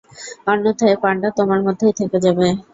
অন্যথায়, পান্ডা তোমার মধ্যেই থেকে যাবে।